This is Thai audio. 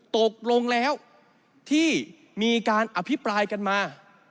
ตกลงแล้วที่มีการอภิปรายกันมา